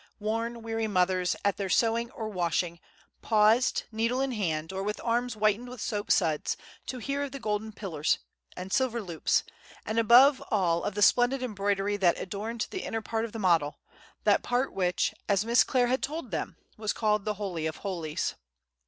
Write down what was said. Worn, weary mothers, at their sewing or washing, paused, needle in hand, or with arms whitened with soap suds, to hear of the golden pillars, and silver loops, and above all of the splendid embroidery that adorned the inner part of the model, that part which, as Miss Clare had told them, was called the Holy of holies.